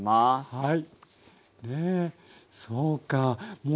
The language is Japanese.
はい。